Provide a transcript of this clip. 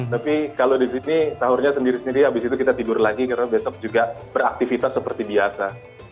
tapi kalau di sini sahurnya sendiri sendiri abis itu kita tidur lagi karena besok juga beraktivitas seperti biasa